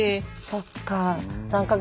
そっか。